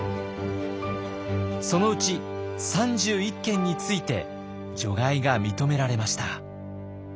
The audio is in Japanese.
そのうち３１件について除外が認められました。